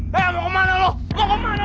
hei mau kemana lo mau kemana lo